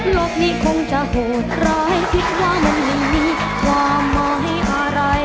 โลกนี้คงจะโหดร้ายภิกษามันไม่มีความหมายอะไร